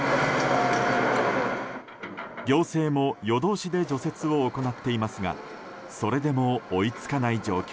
行政も夜通しで除雪を行っていますがそれでも追いつかない状況。